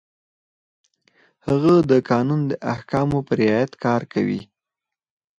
هغه د قانون د احکامو په رعایت کار کوي.